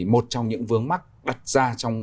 một trong những vướng mắt đặt ra trong